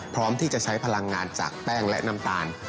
พร้อมที่จะใช้พลังงานจากแป้งและน้ำตาล